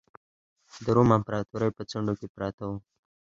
د روم امپراتورۍ په څنډو کې پراته وو.